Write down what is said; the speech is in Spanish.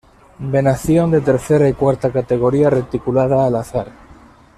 Venación de tercera y cuarta categoría reticulada al azar.